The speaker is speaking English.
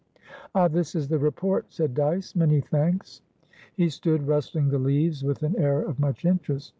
"Ah, this is the Report," said Dyce. "Many thanks." He stood rustling the leaves with an air of much interest.